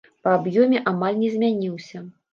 Па аб'ёме амаль не змяніўся.